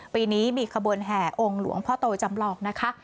ปีนี้มีขบวนแห่องค์หลวงพ่อโตจำลองนะคะ